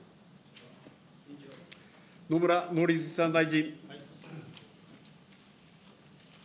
野村農林水産大臣。